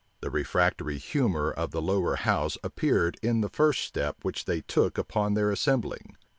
The refractory humor of the lower house appeared in the first step which they took upon their assembling.